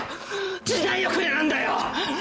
時代遅れなんだよ！